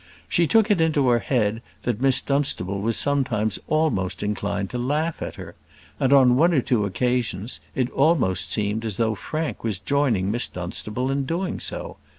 She took it into her head that Miss Dunstable was sometimes almost inclined to laugh at her; and on one or two occasions it almost seemed as though Frank was joining Miss Dunstable in doing so.